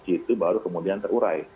itu baru kemudian terurai